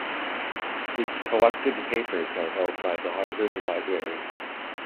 His collected papers are held by the Harvard Library.